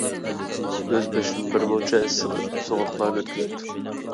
ئۆز بېشىدىن بىرمۇنچە ئىسسىق - سوغۇقلارنى ئۆتكۈزۈپتۇ.